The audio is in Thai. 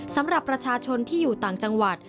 สำหรับประชาชนที่อยู่ต่างจังหวัด